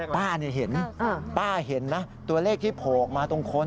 ป้าเห็นป้าเห็นนะตัวเลขที่โผล่ออกมาตรงคน